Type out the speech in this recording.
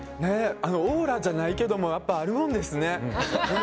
オーラじゃないけどもやっぱ、あるもんですね。